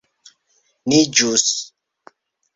Ni ĵus...